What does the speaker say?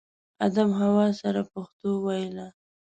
ادم حوا سره پښتو ویله